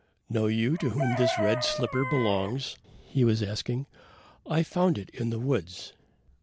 "Know you to whom this red slipper belongs?" he was asking. "I found it in the woods."